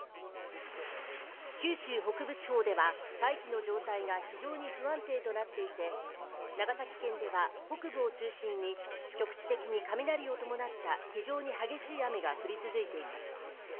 九州北部地方では大気の状態が非常に不安定となっていて長崎県では北部を中心に局地的に雷を伴った非常に激しい雨が降り続いています。